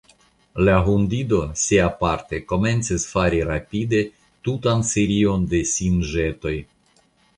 La hundido, siaparte, komencis fari rapide tutan serion da sinĵetoj.